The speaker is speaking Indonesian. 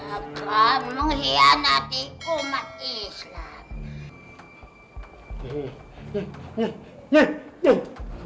akan mengkhianati umat islam